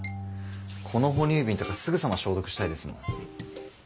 この哺乳瓶とかすぐさま消毒したいですもん。